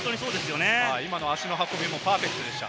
今の足の運びもパーフェクトでした。